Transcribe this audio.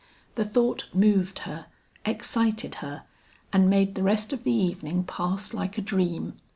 The thought moved her, excited her, and made the rest of the evening pass like a dream.